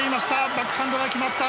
バックハンド、決まった！